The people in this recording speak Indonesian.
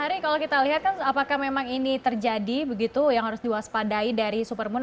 ari kalau kita lihat kan apakah memang ini terjadi begitu yang harus diwaspadai dari supermoon